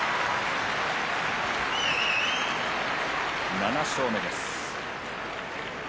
７勝目です。